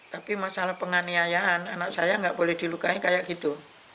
tapi masalah penganiayaan anak saya nggak boleh dilukai kayak gitu